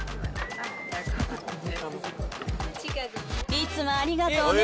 いつもありがとうね。